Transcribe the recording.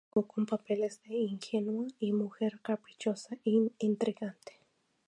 Se destacó con papeles de ingenua y mujer caprichosa e intrigante.